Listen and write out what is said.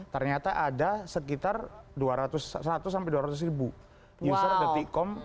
ternyata ada sekitar dua ratus seratus sampai dua ratus ribu user com